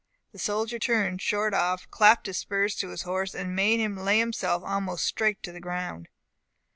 The soldier turned short off, clapped his spurs to his horse, and made him lay himself almost straight to the ground.